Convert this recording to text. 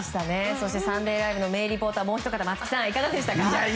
更に「サンデーＬＩＶＥ！！」の名リポーターもうひと方、松木さんいかがでしたか？